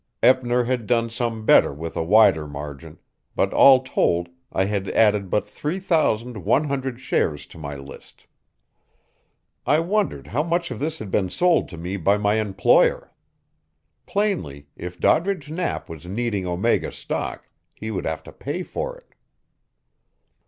Eppner had done some better with a wider margin, but all told I had added but three thousand one hundred shares to my list. I wondered how much of this had been sold to me by my employer. Plainly, if Doddridge Knapp was needing Omega stock he would have to pay for it.